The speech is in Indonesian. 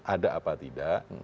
ada apa tidak